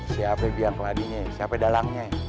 siapa yang biar keladinya siapa dalangnya